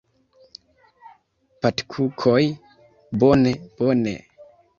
Patkukoj! Bone bone!